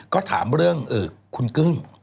ก็ถามเรื่องคุณกึ้ง